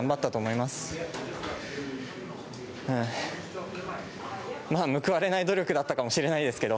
まあ、報われない努力だったかもしれないですけど。